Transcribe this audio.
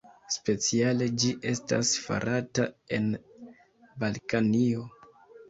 Speciale ĝi estas farata en Balkanio.